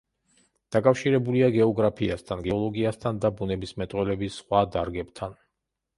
დაკავშირებულია გეოგრაფიასთან, გეოლოგიასთან და ბუნებისმეტყველების სხვა დარგებთან.